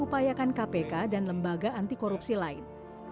dan apa yang sedang diupayakan kpk dan lembaga anti korupsi lain